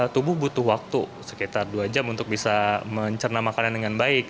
tubuh butuh waktu sekitar dua jam untuk bisa mencerna makanan dengan baik